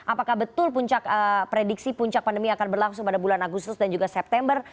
apakah betul puncak prediksi puncak pandemi akan berlangsung pada bulan agustus dan juga september